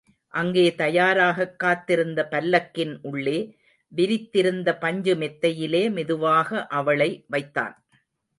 அங்கே தயாராகக் காத்திருந்த பல்லக்கின் உள்ளே, விரித்திருந்த பஞ்சு மெத்தையிலே மெதுவாக அவளை வைத்தான்.